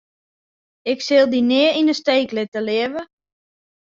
Ik sil dy nea yn 'e steek litte, leave.